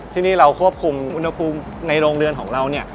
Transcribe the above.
ที่นี่เราควบคุมอุณหภูมิในโรงเรือนของเราเนี่ย